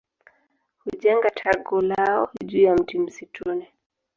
Hujenga tago lao juu ya mti msituni.